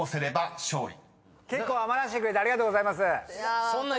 結構余らせてくれてありがとうございます。